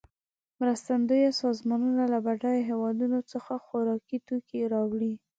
مرستندویه سازمانونه له بډایه هېوادونو څخه خوارکي توکې راوړي.